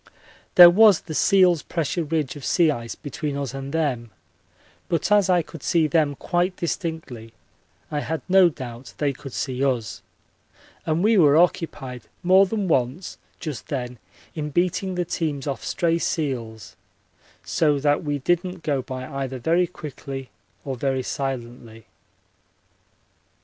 There was the seals' pressure ridge of sea ice between us and them, but as I could see them quite distinctly I had no doubt they could see us, and we were occupied more than once just then in beating the teams off stray seals, so that we didn't go by either vary quickly or very silently.